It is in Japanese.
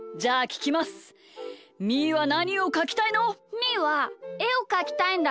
みーはえをかきたいんだ！